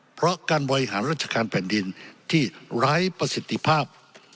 เพราะการบริหารราชการแผ่นดินที่ไร้ประสิทธิภาพ